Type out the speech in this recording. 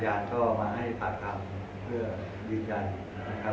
ยังยังไม่มีพยานหลักฐานอะไรนะครับที่มอบให้กับประโยชน์นะครับ